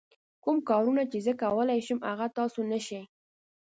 کوم کارونه چې زه کولای شم هغه تاسو نه شئ.